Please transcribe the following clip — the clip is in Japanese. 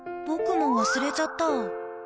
僕も忘れちゃった。